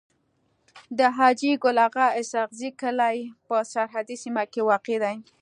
د حاجي ګل اغا اسحق زی کلی په سرحدي سيمه کي واقع دی.